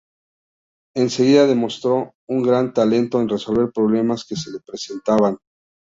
Enseguida demostró un gran talento en resolver problemas que se le presentaban.